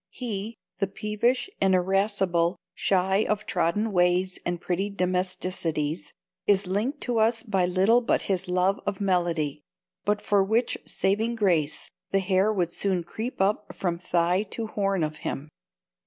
He, the peevish and irascible, shy of trodden ways and pretty domesticities, is linked to us by little but his love of melody; but for which saving grace, the hair would soon creep up from thigh to horn of him.